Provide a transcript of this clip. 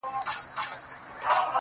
گنې زما کافر زړه چيري يادول گلونه_